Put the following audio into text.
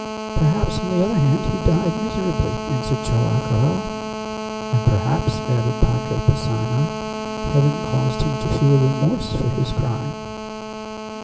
"Perhaps, on the other hand, he died miserably!" answered Joam Garral. "And, perhaps," added Padre Passanha, "Heaven caused him to feel remorse for his crime."